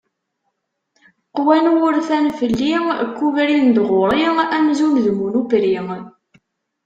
Qwan wurfan fell-i, kkubrin-d ɣur-i amzun d munupri.